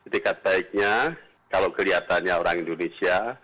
dekat baiknya kalau kelihatannya orang indonesia